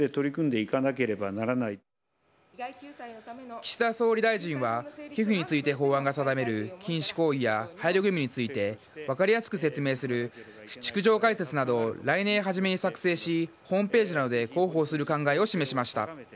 岸田総理大臣は寄付について法案が定める禁止行為や配慮義務について分かりやすく説明する逐条解説などを来年初めに作成しホームページなどで広報する考えを示しました。